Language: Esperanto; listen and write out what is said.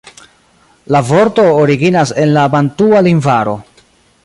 La vorto originas el la bantua lingvaro.